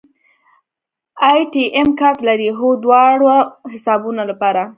اے ټي ایم کارت لرئ؟ هو، دواړو حسابونو لپاره